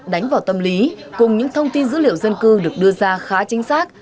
đánh vào tâm lý cùng những thông tin dữ liệu dân cư được đưa ra khá chính xác